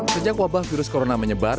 sejak wabah virus corona menyebar